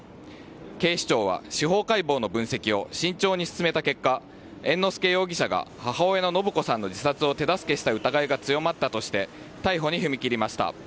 警視庁は司法解剖の分析を慎重に進めた結果、猿之助容疑者が、母親の延子さんの自殺を手助けした疑いが強まったとして、逮捕に踏み切りました。